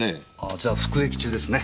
じゃあ服役中ですね。